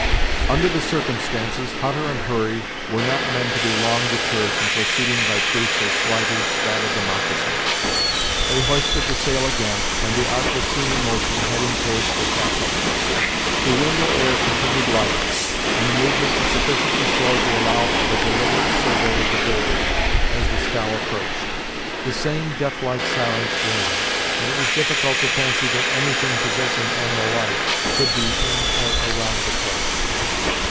Under the circumstances, Hutter and Hurry were not men to be long deterred from proceeding by proofs as slight as that of the moccasin. They hoisted the sail again, and the Ark was soon in motion, heading towards the castle. The wind or air continued light, and the movement was sufficiently slow to allow of a deliberate survey of the building, as the scow approached. The same death like silence reigned, and it was difficult to fancy that any thing possessing animal life could be in or around the place.